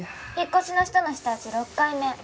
引っ越しの人の舌打ち６回目。